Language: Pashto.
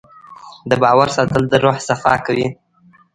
د باور ساتل د روح صفا کوي.